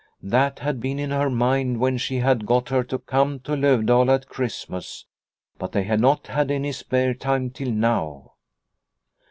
That had been in her mind when she had got her to come to Lovdala at Christmas, but they had not had any spare time till now.